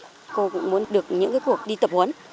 cô cũng muốn được những cuộc đi tập huấn